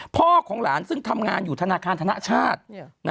พ่อของหลานซึ่งทำงานอยู่ธนาคารธนชาติ